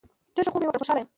ډیر ښه خوب مې وکړ خوشحاله یم